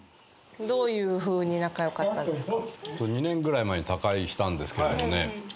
どういうふうに仲良かったんですか？